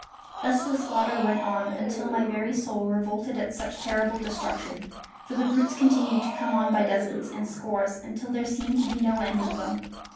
Thus the slaughter went on until my very soul revolted at such terrible destruction, for the brutes continued to come on by dozens and scores until there seemed to be no end of them.